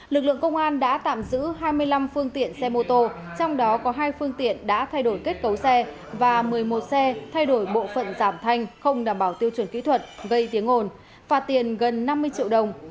lực lượng công an đã tạm giữ hai mươi năm phương tiện xe mô tô trong đó có hai phương tiện đã thay đổi kết cấu xe và một mươi một xe thay đổi bộ phận giảm thanh không đảm bảo tiêu chuẩn kỹ thuật gây tiếng ồn phạt tiền gần năm mươi triệu đồng